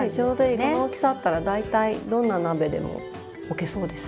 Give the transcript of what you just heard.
この大きさあったら大体どんな鍋でも置けそうです。